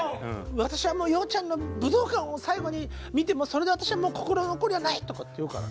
「私はもう洋ちゃんの武道館を最後に見てそれで私はもう心残りはない！」とかって言うからね。